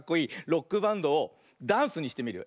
ロックバンドをダンスにしてみるよ。